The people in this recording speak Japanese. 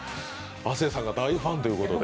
亜生さんが大ファンということで。